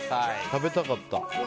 食べたかった。